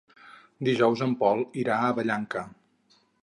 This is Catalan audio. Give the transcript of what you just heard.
Dijous en Pol irà a Vallanca.